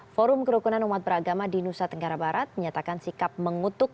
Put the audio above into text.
forum kerukunan umat beragama di nusa tenggara barat menyatakan sikap mengutuk